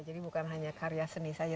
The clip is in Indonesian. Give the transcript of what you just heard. jadi bukan hanya karya seni saja